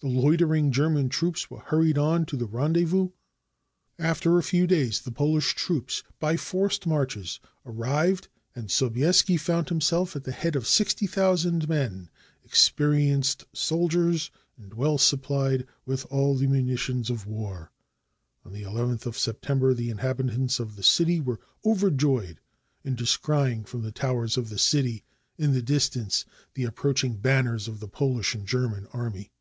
The loitering German troops were hurried on to the rendezvous. After a few days the Polish troops, by forced marches, arrived, and Sobieski found himself at the head of sixty thousand men, experienced soldiers, and well supplied with all the munitions of war. On the nth of Septem ber the inhabitants of the city were overjoyed, in de scrying from the towers of the city, in the distance, the approaching banners of the Polish and German army.